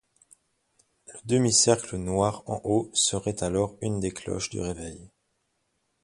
Le demi-cercle noir en haut serait alors une des cloches du réveil.